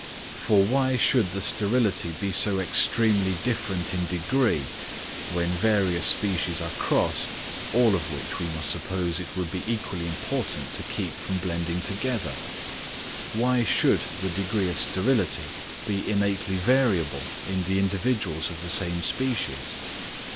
For why should the sterility be so extremely different in degree, when various species are crossed, all of which we must suppose it would be equally important to keep from blending together? Why should the degree of sterility be innately variable in the individuals of the same species?